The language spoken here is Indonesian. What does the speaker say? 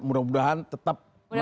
mudah mudahan tetap melakukan